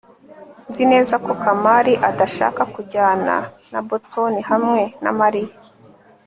nzi neza ko kamali adashaka kujyana na boston hamwe na mariya